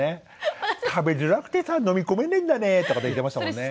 「食べづらくてさ飲み込めねんだね」とかって言ってましたもんね。